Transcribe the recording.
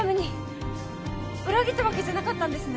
裏切ったわけじゃなかったんですね？